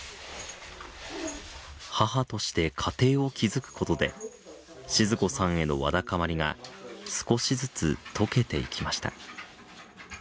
母として家庭を築くことで静子さんへのわだかまりが少しずつ解けていきました。